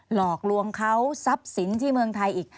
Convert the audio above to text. หลอกลวงเขาทรัพย์สินที่เมืองไทยอีก